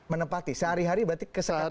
menempati sehari hari berarti kesekatan karyatan